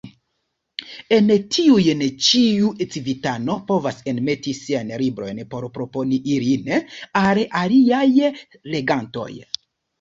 En tiujn ĉiu civitano povas enmeti siajn librojn por proponi ilin al aliaj legantoj.